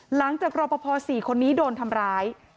หลังจากรอพอพอสี่คนนี้โดนทำร้าย